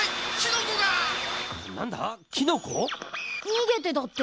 にげてだって。